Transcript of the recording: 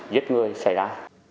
giết người xảy ra